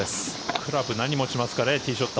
クラブ、何を持ちますかねティーショット。